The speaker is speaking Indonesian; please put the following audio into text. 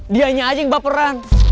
dianya aja yang baperan